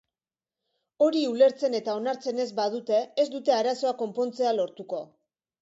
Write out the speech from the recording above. Hori ulertzen eta onartzen ez badute, ez dute arazoa konpontzea lortuko.